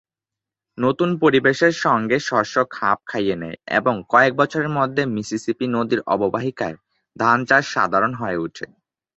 নতুন পরিবেশের সংগে শস্য খাপ খাইয়ে নেয় এবং কয়েক বছরের মধ্যে মিসিসিপি নদীর অববাহিকায় ধান চাষ সাধারণ হয়ে ওঠে।